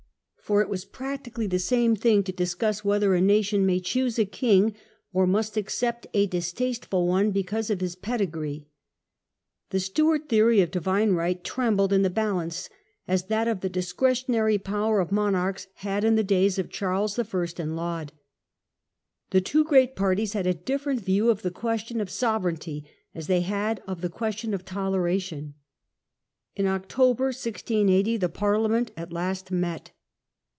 For it was practically the same thing to discuss whether a nation may choose a king or must accept a distasteful one because of his pedigree. The Stewart theory of Divine Right trembled in the balance, as that of the Discretionary power of monarchs had in the days of Charles I. and Laud. The two great parties had a different view of the question of Sovereignty, as they had of the question of Toleration. In October, 1680, the Parliament at last met.